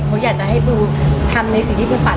เขาอยากจะให้ปูทำในสิ่งที่ปูฝัน